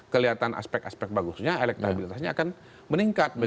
kelihatan aspek aspek bagusnya elektabilitasnya akan meningkat